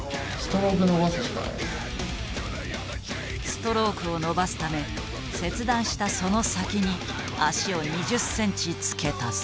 ストロークを伸ばすため切断したその先に足を２０センチ付け足す。